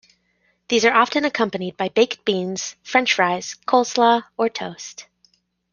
These are often accompanied by baked beans, French fries, coleslaw, or toast.